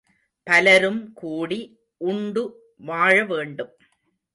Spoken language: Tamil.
பலரும்கூடி உண்டு வாழவேண்டும்.